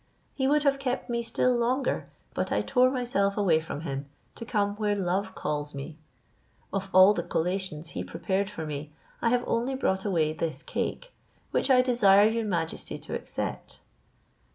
He would have kept me still longer, but I tore myself away from him, to come where love calls me. Of all the collations he prepared for me, I have only brought away this cake, which I desire your majesty to accept."